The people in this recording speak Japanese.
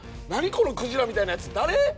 このクジラみたいなやつ誰？